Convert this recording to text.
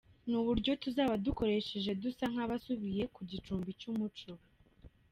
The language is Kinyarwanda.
Ni uburyo tuzaba dukoresheje dusa nkabasubiye ku gicumbi cy’umuco.